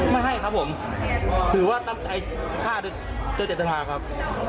ไม่ให้ครับผมถือว่าถ้าใจฆ่าเด็กเจ้าเจ้าทานครับ